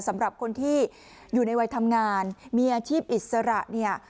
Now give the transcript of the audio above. สำหรับคนที่อยู่ในวัยทำงานมีอาชีพอิสระเนี่ย